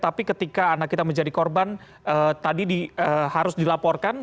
tapi ketika anak kita menjadi korban tadi harus dilaporkan